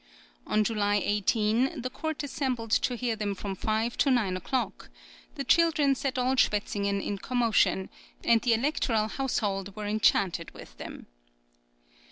On July 18 the court assembled to hear them from five to nine o'clock; the children set all Schwetzingen in commotion, and the electoral household were enchanted with them.